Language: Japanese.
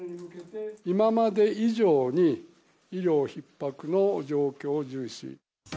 今まで以上に、医療ひっ迫の状況を重視。